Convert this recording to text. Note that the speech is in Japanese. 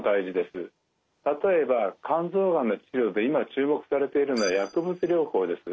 例えば肝臓がんの治療で今注目されているのは薬物療法です。